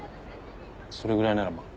それぐらいならまあ